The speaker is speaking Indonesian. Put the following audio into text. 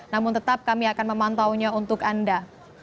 namun tetap kami akan memantaunya untuk anda